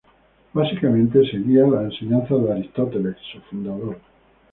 Básicamente, seguía las enseñanzas de Aristóteles, su fundador.